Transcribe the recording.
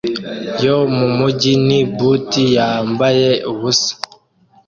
yo mumujyi ni butt yambaye ubusa